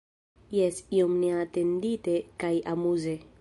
Jes, iom neatendite kaj amuze.